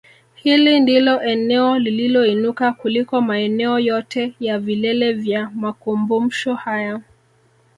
Hili ndilo eneo lililoinuka kuliko maeneo yote ya vilele vya makumbumsho haya